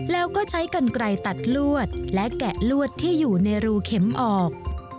แล้วก็ใช้กันไกลตัดลวดและแกะลวดที่อยู่ในรูเข็มออก